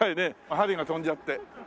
針が飛んじゃって。